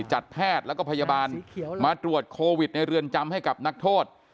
จัดแพทย์แล้วก็พยาบาลมาตรวจโควิดในเรือนจำให้กับนักโทษ